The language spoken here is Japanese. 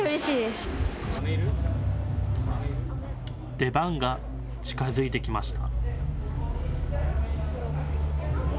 出番が近づいてきました。